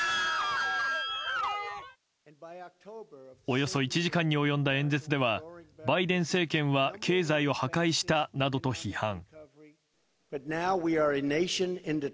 およそ１時間に及んだ演説ではバイデン政権は経済を破壊したなどと批判。